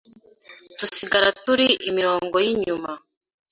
dusigara turi imirongo y’inyuma,